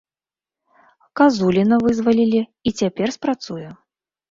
Казуліна вызвалілі, і цяпер спрацуе?